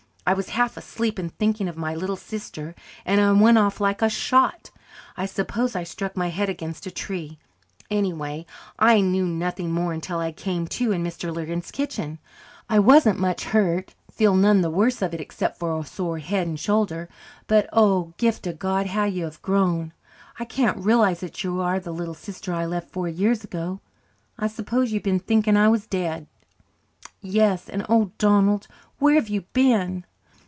I was half asleep and thinking of my little sister, and I went off like a shot. I suppose I struck my head against a tree. Anyway, I knew nothing more until I came to in Mr. Lurgan's kitchen. I wasn't much hurt feel none the worse of it except for a sore head and shoulder. But, oh, Gift o' God, how you have grown! I can't realize that you are the little sister I left four years ago. I suppose you have been thinking I was dead?" "Yes, and, oh, Donald, where have you been?"